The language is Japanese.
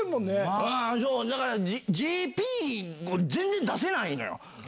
そう、だからＪＰ、全然出せないのよ。